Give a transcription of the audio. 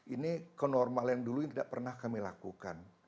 ini kenormal yang dulu tidak pernah kami lakukan